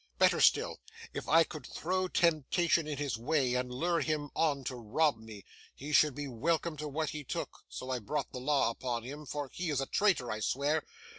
Better still, if I could throw temptation in his way, and lure him on to rob me. He should be welcome to what he took, so I brought the law upon him; for he is a traitor, I swear!